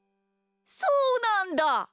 そうなんだ！